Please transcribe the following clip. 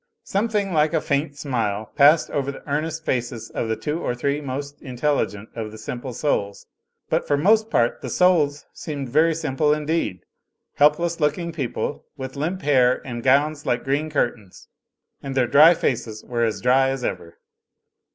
Something like a faint smile passed over the earnest faces of the two or three most intelligent of the Simple Souls, but for the most part the Souls seemed very simple indeed, helpless looking people with limp hair and gowns like green curtains, and their dry faces were as dry as ever.